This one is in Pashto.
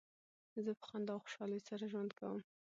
زه په خندا او خوشحالۍ سره ژوند کوم.